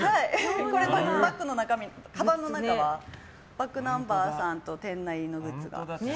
バッグの中身はｂａｃｋｎｕｍｂｅｒさんと「天ない」のグッズが。